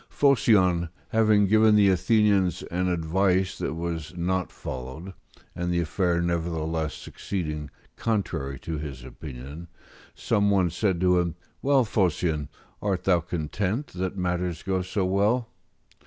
Phocion, having given the Athenians an advice that was not followed, and the affair nevertheless succeeding contrary to his opinion, some one said to him, "Well, Phocion, art thou content that matters go so well?"